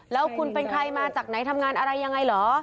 แล้วคุณเป็นใครมาจากไหนทำงานอะไรยังไงเหรอ